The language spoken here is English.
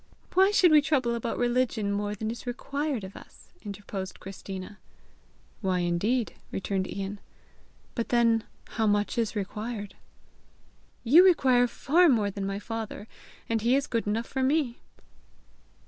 "Why should we trouble about religion more than is required of us!" interposed Christina. "Why indeed?" returned Ian. "But then how much is required?" "You require far more than my father, and he is good enough for me!"